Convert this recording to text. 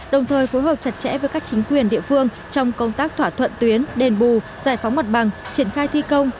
đồng thời phối hợp chặt chẽ với các chính quyền địa phương trong công tác thỏa thuận tuyến đền bù giải phóng mặt bằng triển khai thi công